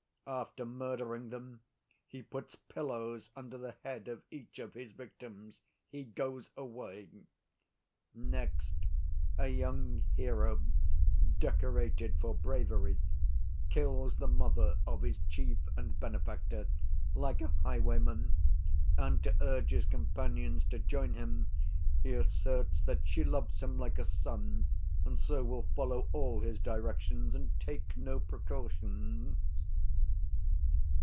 After murdering them, he puts pillows under the head of each of his victims; he goes away. Next, a young hero 'decorated for bravery' kills the mother of his chief and benefactor, like a highwayman, and to urge his companions to join him he asserts that 'she loves him like a son, and so will follow all his directions and take no precautions.